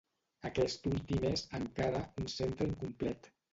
Aquest últim és, encara, un centre incomplet.